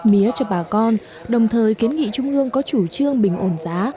mua hết mía cho bà con đồng thời kiến nghị trung ương có chủ trương bình ổn giá